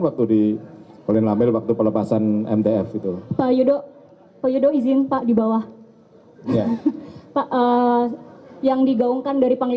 waktu di kolin lamil beliau sangat